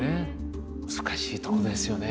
難しいとこですよね。